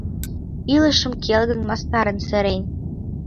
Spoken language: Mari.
Илышым келгын, мастарын серен.